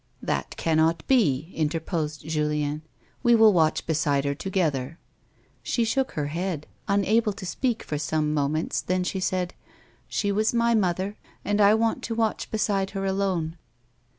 " That cannot be," interposed Julien ;" we will watch beside her together." 154 A WOMAN'S LIFE. She shook her head, unable to speak for some moments, then she said ;" She was my mother, and I want to watch beside her alone."